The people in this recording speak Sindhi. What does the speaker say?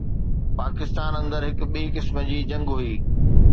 پاڪستان اندر هڪ ٻي قسم جي جنگ هئي.